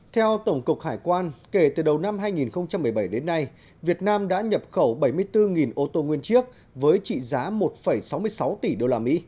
theo tổng cục hải quan kể từ đầu năm hai nghìn một mươi bảy đến nay việt nam đã nhập khẩu bảy mươi bốn ô tô nguyên chiếc với trị giá một sáu mươi sáu tỷ usd